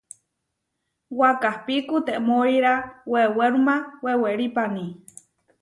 Wakahpí kutemóira wewéruma wewerípani.